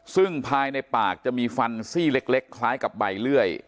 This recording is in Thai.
ซึ่งภายในปากจะมีฟันซี่เล็กคล้ายกับใบเลื่อย